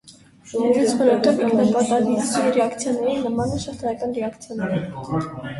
Իրենց բնույթով ինքնակատալիզի ռեակցիաներին նման են շղթայական ռեակցիաները։